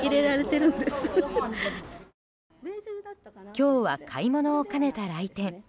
今日は、買い物を兼ねた来店。